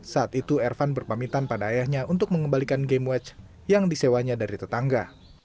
saat itu ervan berpamitan pada ayahnya untuk mengembalikan gamewage yang disewanya dari tetangga